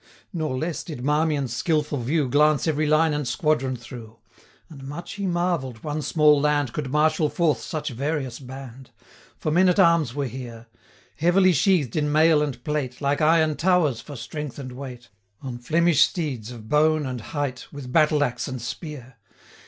Nor less did Marmion's skilful view Glance every line and squadron through; 20 And much he marvell'd one small land Could marshal forth such various band; For men at arms were here, Heavily sheathed in mail and plate, Like iron towers for strength and weight, 25 On Flemish steeds of bone and height, With battle axe and spear.